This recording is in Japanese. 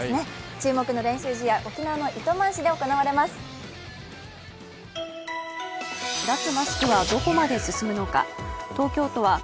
注目の練習試合、沖縄の糸満市で行われます。